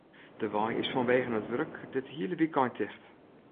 De wei is fanwegen it wurk dit hiele wykein ticht.